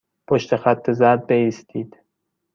پشت خط زرد بایستید.